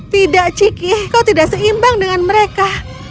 tidak ciki kau tidak seimbang dengan mereka